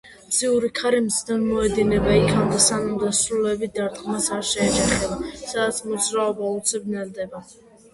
მზიური ქარი მზიდან მოედინება იქამდე, სანამ დასრულებით დარტყმას არ შეეჯახება, სადაც მოძრაობა უცებ ნელდება.